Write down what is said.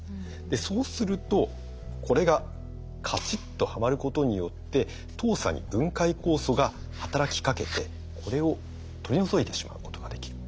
そうするとこれがカチッとはまることによって糖鎖に分解酵素が働きかけてこれを取り除いてしまうことができる。